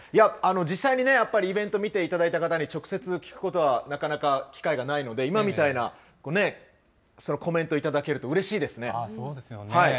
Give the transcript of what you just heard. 実際にね、やっぱりイベント見ていただいた方に直接聞くことは、なかなか機会がないので、今みたいなコメント頂けるとうれしそうですよね。